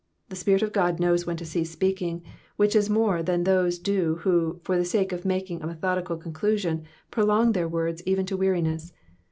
The Spirit of God knows when to cease speaking, which is more than those do wlu), for the sake of making a methodical conclusion, prolong their words even to weariness.